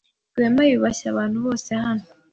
Rwema yubashye abantu bose hano.